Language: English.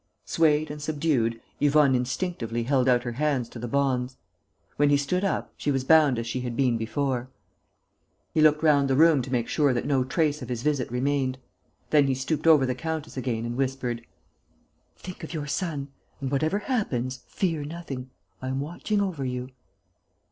Swayed and subdued, Yvonne instinctively held out her hands to the bonds. When he stood up, she was bound as she had been before. He looked round the room to make sure that no trace of his visit remained. Then he stooped over the countess again and whispered: "Think of your son and, whatever happens, fear nothing.... I am watching over you."